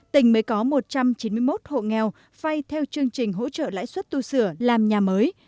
tỉnh mới có một trăm chín mươi một hộ nghèo phai theo chương trình hỗ trợ lãi suất tu sửa làm nhà mới